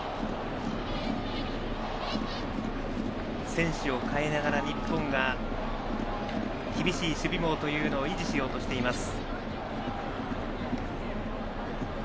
選手を代えながら日本が厳しい守備網というのを維持しようとしています。